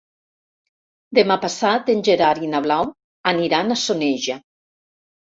Demà passat en Gerard i na Blau aniran a Soneja.